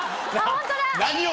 ホントだ！